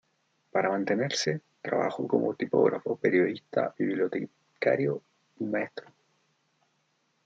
Para mantenerse, trabajó como tipógrafo, periodista, bibliotecario y maestro.